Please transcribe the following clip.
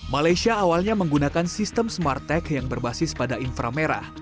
malaysia awalnya menggunakan sistem smart tech yang berbasis pada infra merah